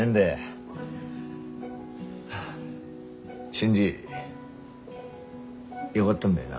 新次よがったんだよな。